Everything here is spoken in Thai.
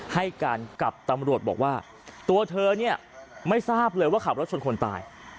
ให้การกับตำรวจบอกว่าตัวเธอเนี่ยไม่ทราบเลยว่าขับรถชนคนตาย